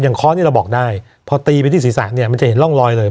อย่างค้อนเนี้ยเราบอกได้พอตีไปที่ศรีษะเนี้ยมันจะเห็นร่องลอยเลย